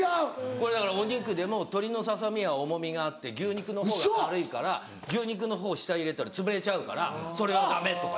これだからお肉でも鶏のささ身は重みがあって牛肉の方が軽いから牛肉の方下入れたらつぶれちゃうからそれはダメとか。